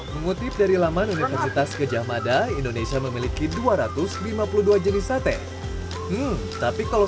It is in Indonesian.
mengutip dari laman universitas gejah mada indonesia memiliki dua ratus lima puluh dua jenis sate tapi kalau